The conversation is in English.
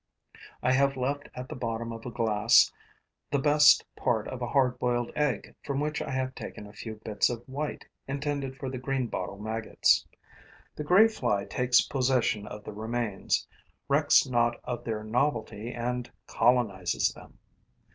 I have left at the bottom of a glass the best part of a hard boiled egg from which I have taken a few bits of white intended for the greenbottle maggots. The grey fly takes possession of the remains, recks not of their novelty and colonizes them.